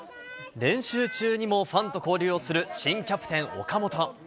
練習中にもファンと交流をする新キャプテン、岡本。